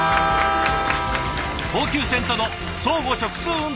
東急線との相互直通運転を開始。